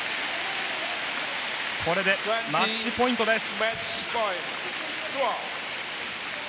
これでマッチポイントです。